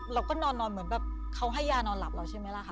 เราก็นอนเหมือนแบบเขาให้ยานอนหลับเราใช่ไหมล่ะคะ